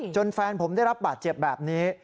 แฟนผมได้รับบาดเจ็บแบบนี้